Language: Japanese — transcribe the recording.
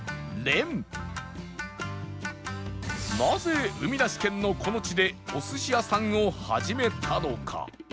なぜ海なし県のこの地でお寿司屋さんを始めたのか？